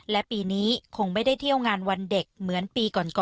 และปีนี้คงไม่ได้เที่ยวงานวันเด็กเหมือนปีก่อน